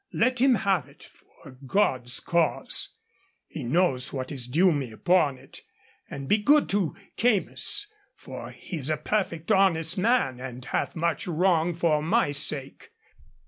Let him have it, for God's cause. He knows what is due to me upon it. And be good to Keymis, for he is a perfect honest man, and hath much wrong for my sake.